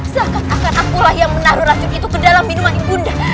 seakan akan akulah yang menaruh racun itu ke dalam minuman ibunda